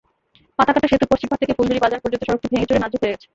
পাতাকাটা সেতুর পশ্চিম পাড় থেকে ফুলঝুড়ি বাজার পর্যন্ত সড়কটি ভেঙেচুরে নাজুক হয়ে গেছে।